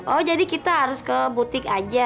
oh jadi kita harus ke butik aja